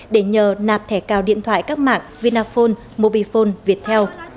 để nhờ nạp thẻ cào điện thoại các mạng vinaphone mobifone viettel